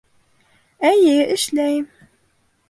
Эйе, эшләйем